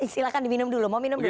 silahkan diminum dulu mau minum dulu